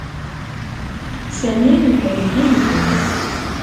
Sami yeqbel dindin.